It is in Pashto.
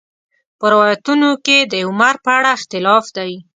په روایاتو کې د عمر په اړه اختلاف دی.